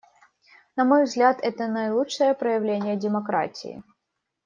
На мой взгляд, это наилучшее проявление демократии.